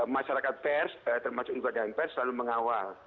masyarakat pers termasuk juga dewan pers selalu mengawal